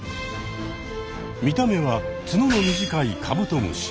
見た目はツノの短いカブトムシ。